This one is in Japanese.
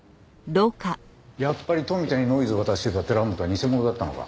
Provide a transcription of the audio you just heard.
やっぱり富田にノイズを渡してた寺本は偽者だったのか。